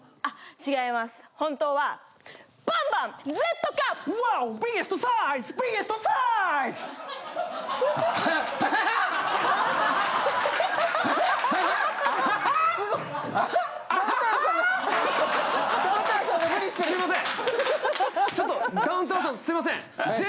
すいません。